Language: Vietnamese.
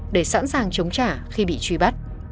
để sẵn sàng chống trả khi bị truy bắt